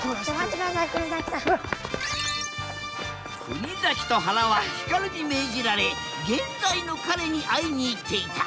国崎とはらはヒカルに命じられ現在の彼に会いに行っていた